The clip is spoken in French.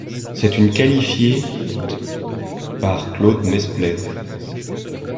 C'est une qualifiée d' par Claude Mesplède.